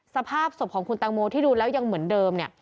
สภาพสบของคุณแตงโมที่ดูแล้วยังเหมือนเดิม